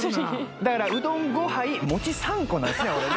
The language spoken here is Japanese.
だからうどん５杯餅３個なんですね